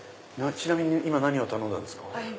ちなみに今何を頼んだんですか？